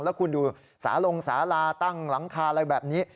แล้วคุณดูสาลงสาลาตั้งหลังคาอะไรแบบนี้